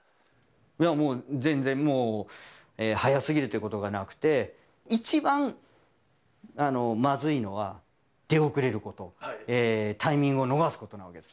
いや、もう、全然、もう早すぎるということがなくて、一番まずいのは、出遅れること、タイミングを逃すことなわけです。